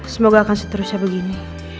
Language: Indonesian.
semoga akan seterusnya begini